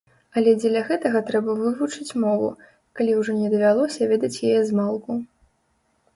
Але дзеля гэтага трэба вывучыць мову, калі ўжо не давялося ведаць яе змалку.